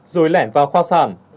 rồi lẻn vào khoa sản